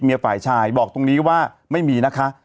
เหตุมียฟ่ายชายฯบอกปรุงนี้ว่าไม่มีนะคะ